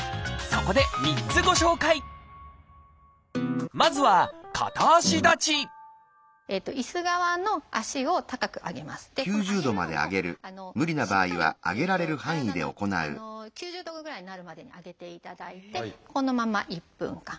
この上げるのもしっかり体の９０度ぐらいになるまでに上げていただいてこのまま１分間。